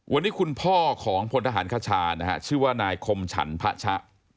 วันนี้คุณพ่อของพลทหารคชานะฮะชื่อว่านายคมฉันพระชะ